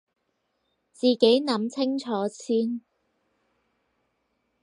自己諗清楚先